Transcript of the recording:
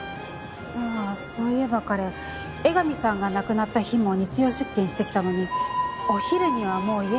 ああそういえば彼江上さんが亡くなった日も日曜出勤してきたのにお昼にはもう家に帰っちゃって。